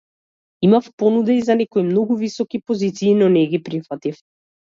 Имав понуда и за некои многу високи позиции, но не ги прифатив.